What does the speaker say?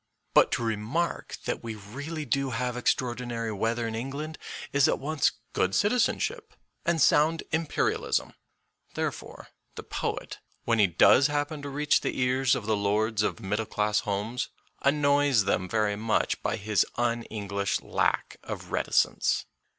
But to remark that we really do have extraordinary weather in England is at once good citizenship and sound im THE POET AND THE PEOPLE 61 perialisra. Therefore the poet, when he does happen to reach the ears of the lords of middle class homes, annoys them very much by his un English lack of reticence.